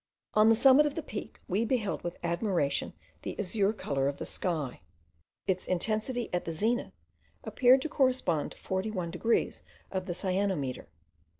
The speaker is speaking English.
On the summit of the Peak, we beheld with admiration the azure colour of the sky. Its intensity at the zenith appeared to correspond to 41 degrees of the cyanometer.